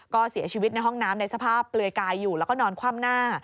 ก็เสียชีวิตในห้องน้ำในสภาพเปลือยกายอยู่แล้วก็นอนคว่ำหน้า